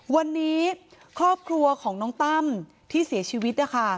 วันนี้ครอบครัวของน้องตั้มที่เสียชีวิตนะคะ